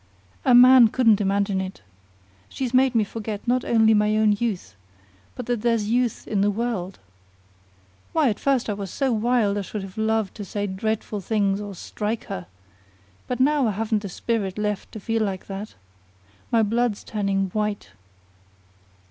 "A man couldn't imagine it. She's made me forget not only my own youth, but that there's youth in the world. Why, at first I was so wild I should have loved to say dreadful things, or strike her. But now I haven't the spirit left to feel like that. My blood's turning white.